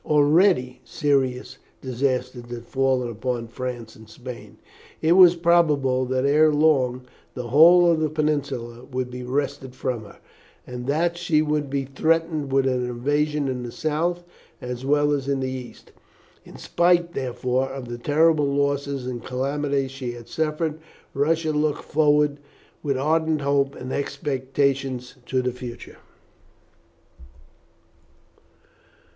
Already serious disasters had fallen upon France in Spain. It was probable that ere long the whole of the Peninsula would be wrested from her, and that she would be threatened with an invasion in the south, as well as in the east. In spite, therefore, of the terrible losses and calamities she had suffered, Russia looked forward with ardent hope and expectations to the future.